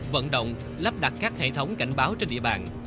vận động lắp đặt các hệ thống cảnh báo trên địa bàn